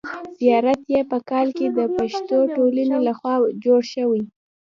زیارت یې په کال کې د پښتو ټولنې له خوا جوړ شوی.